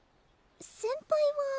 先輩は？